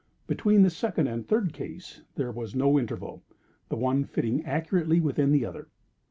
Between the second and the third case there was no interval—the one fitting accurately within the other.